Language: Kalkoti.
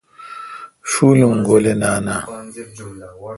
شُول ام گولے نان آ؟